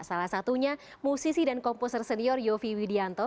salah satunya musisi dan komposer senior yofi widianto